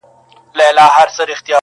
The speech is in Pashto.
په عاشقي کي بې صبرې مزه کوینه،